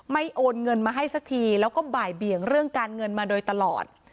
โอนเงินมาให้สักทีแล้วก็บ่ายเบี่ยงเรื่องการเงินมาโดยตลอด